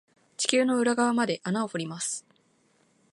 地球の裏側まで穴掘ります。